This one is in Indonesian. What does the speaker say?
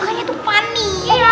mukanya tuh funny